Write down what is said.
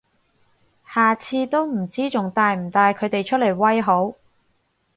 下次都唔知仲帶唔帶佢哋出嚟威好